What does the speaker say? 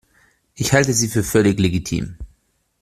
Ich halte sie für völlig legitim.